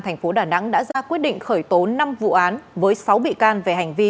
thành phố đà nẵng đã ra quyết định khởi tố năm vụ án với sáu bị can về hành vi